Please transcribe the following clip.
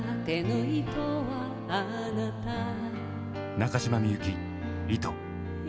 中島みゆき「糸」。